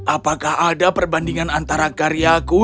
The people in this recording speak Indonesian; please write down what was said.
apakah ada perbandingan antara karyaku